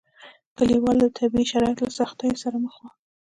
کلیوالو د طبیعي شرایطو له سختیو سره مخ وو.